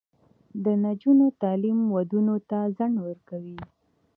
د نجونو تعلیم ودونو ته ځنډ ورکوي.